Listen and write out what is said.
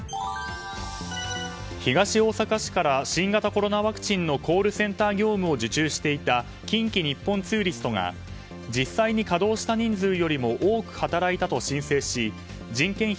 東大阪市から新型コロナワクチンのコールセンター業務を受注していた近畿日本ツーリストが実際に稼働した人数よりも多く働いたと申請し人件費